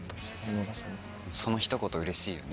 そのひと言うれしいよね。